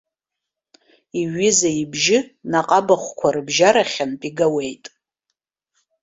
Иҩыза ибжьы наҟ абахәқәа рыбжьарахьынтә игауеит.